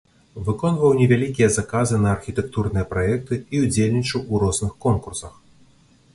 Выконваў невялікія заказы на архітэктурныя праекты і ўдзельнічаў у розных конкурсах.